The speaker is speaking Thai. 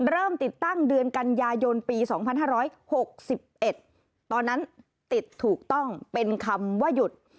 เริ่มติดตั้งเดือนกันยายนปีสองพันห้าร้อยหกสิบเอ็ดตอนนั้นติดถูกต้องเป็นคำว่าหยุด